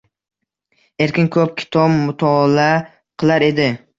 Erkin ro'p kitom mutoala qilar edi.